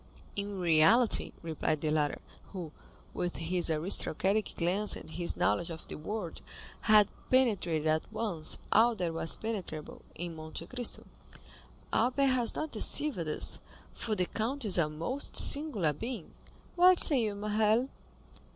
"In reality," replied the latter, who, with his aristocratic glance and his knowledge of the world, had penetrated at once all that was penetrable in Monte Cristo, "Albert has not deceived us, for the count is a most singular being. What say you, Morrel!"